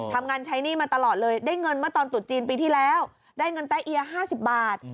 ใช้หนี้มาตลอดเลยได้เงินเมื่อตอนตุดจีนปีที่แล้วได้เงินแต๊เอีย๕๐บาท